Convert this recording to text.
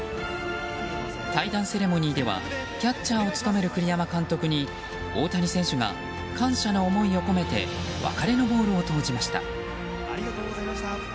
退団セレモニーではキャッチャーを務める栗山監督に大谷選手が、感謝の思いを込めて別れのボールを投じました。